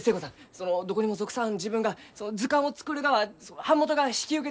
そのどこにも属さん自分が図鑑を作るがは版元が引き受けてくれません。